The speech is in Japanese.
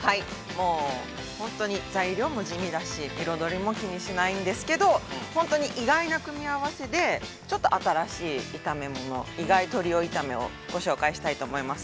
◆もう、本当に材料も地味だし、彩も気にしないんですけど、本当に意外な組み合わせでちょっと新しい炒め物、意外トリオ炒めをご紹介したいと思います。